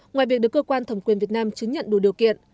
ngoài việc được cơ quan thẩm quyền việt nam chứng nhận đủ điều kiện